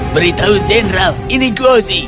beritahu jenderal ini gozi